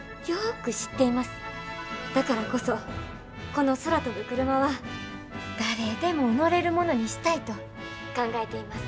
だからこそこの空飛ぶクルマは誰でも乗れるものにしたいと考えています。